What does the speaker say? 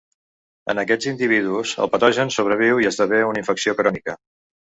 En aquests individus el patogen sobreviu i esdevé una infecció crònica.